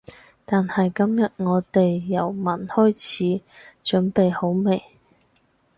但係今日我哋由聞開始，準備好未？